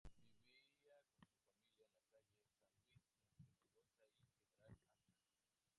Vivía con su familia en la calle San Luis, entre Mendoza y General Acha.